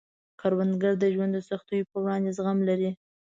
کروندګر د ژوند د سختیو په وړاندې زغم لري